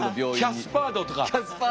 キャスパー度とか。